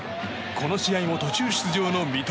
この試合も途中出場の三笘。